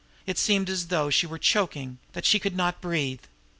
It seemed as though she were choking, that she could not breathe.